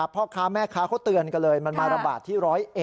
พ่อค้าแม่ค้าเขาเตือนกันเลยมันมาระบาดที่๑๐๑